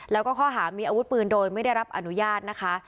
แล้วก็ข้อหามีอาวุธปืนโดยไม่ได้รับอนุญาตนะคะ